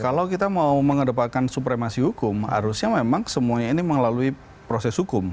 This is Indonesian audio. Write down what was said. kalau kita mau mengedepankan supremasi hukum harusnya memang semuanya ini melalui proses hukum